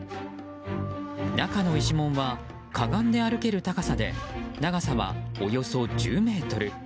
中之石門はかがんで歩ける高さで長さはおよそ１０ｍ。